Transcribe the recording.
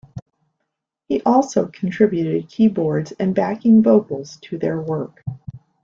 He also contributed keyboards and backing vocals to their work.